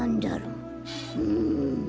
うん。